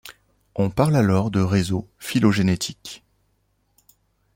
On parle alors de réseaux phylogénétiques.